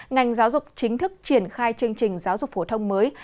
ngành giáo dục chính thức triển khai chương trình giáo dục phổ thông mới